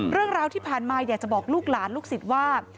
เรื่องราวที่ผ่านมาอยากจะบอกลูกหลานลูกศิษย์ว่า